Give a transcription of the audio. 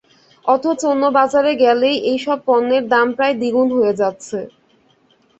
অথচ অন্য বাজারে গেলেই এই সব পণ্যের দাম প্রায় দ্বিগুণ হয়ে যাচ্ছে।